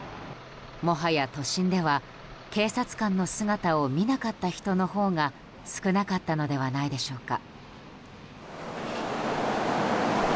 もはや都心では警察官の姿を見なかった人のほうが少なかったのではないでしょうか。